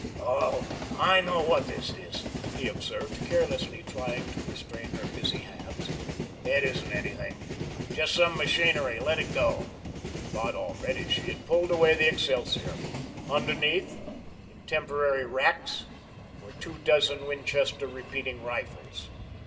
"Oh, I know what this is," he observed, carelessly trying to restrain her busy hands. "It isn't anything. Just some machinery. Let it go." But already she had pulled away the excelsior. Underneath, in temporary racks, were two dozen Winchester repeating rifles.